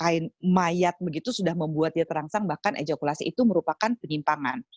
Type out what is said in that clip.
apakah orang dibungkus dengan kain mayat begitu sudah membuat dia terangsang bahkan ejakulasi itu merupakan penyimpangan